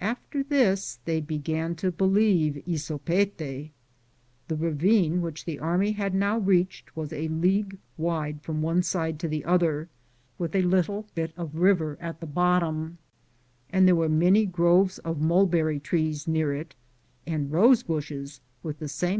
After this they began to believe Tsopete. The ravine which the army had now reached was a league wide from one side to the other, with a little bit of a river at the bottom, and there were many groves of mulberry trees near it, and rosebushes with the same sort 1 A man era de alixares.